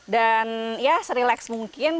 dan ya serileks mungkin